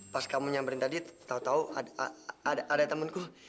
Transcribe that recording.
pas kamu nyamperin tadi tau tau ada temenku